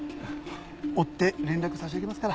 追って連絡差し上げますから。